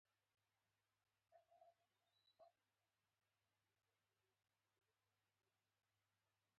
شنه غمي پکې ټومبلې ول.